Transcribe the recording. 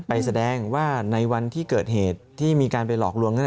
แสดงว่าในวันที่เกิดเหตุที่มีการไปหลอกลวงนั้น